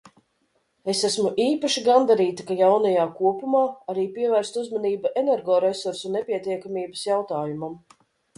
Es esmu īpaši gandarīta, ka jaunajā kopumā arī pievērsta uzmanība energoresursu nepietiekamības jautājumam.